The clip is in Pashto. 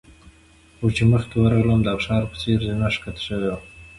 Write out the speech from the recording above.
خو چې مخکې ورغلم د ابشار په څېر زینه ښکته شوې وه.